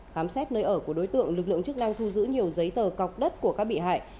khám xét nơi ở của đối tượng lực lượng chức năng thu giữ nhiều giấy tờ cọc đất của các bị hại